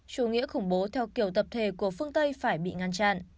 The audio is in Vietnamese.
chủ nghĩa khủng bố theo kiểu tập thể của phương tây phải bị ngăn chặn